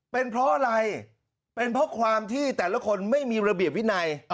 เป็นเพราะอะไรเป็นเพราะความที่แต่ละคนไม่มีระเบียบวินัย